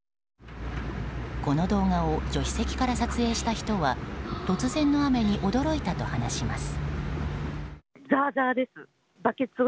この動画を助手席から撮影した人は突然の雨に驚いたと話します。